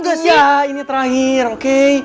bagus ya ini terakhir oke